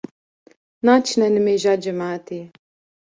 Naçine nimêja cemaetê